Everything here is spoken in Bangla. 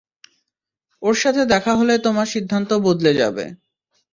ওর সাথে দেখা হলে তোমার সিদ্ধান্ত বদলে যাবে।